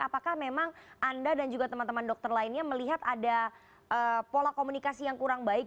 apakah memang anda dan juga teman teman dokter lainnya melihat ada pola komunikasi yang kurang baik